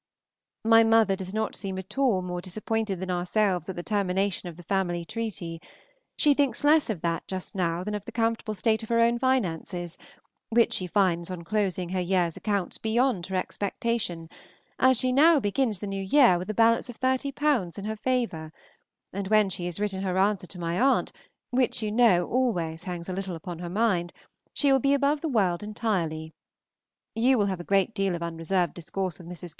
My mother does not seem at all more disappointed than ourselves at the termination of the family treaty; she thinks less of that just now than of the comfortable state of her own finances, which she finds on closing her year's accounts beyond her expectation, as she begins the new year with a balance of 30_l._ in her favor; and when she has written her answer to my aunt, which you know always hangs a little upon her mind, she will be above the world entirely. You will have a great deal of unreserved discourse with Mrs. K.